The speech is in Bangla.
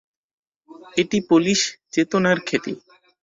এটি পোলিশ চেতনার খ্যাতি।